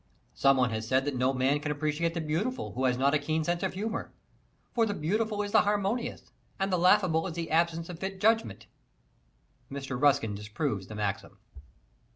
Some one has said that no man can appreciate the beautiful who has not a keen sense of humor. For the beautiful is the harmonious, and the laughable is the absence of fit adjustment. Mr. Ruskin disproves the maxim.